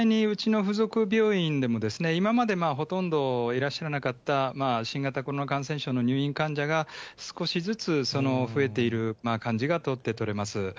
実際にうちの付属病院でも今までほとんどいらっしゃらなかった新型コロナ感染症の入院患者が少しずつ増えている感じが取って取れます。